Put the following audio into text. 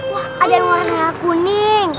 wah ada warna kuning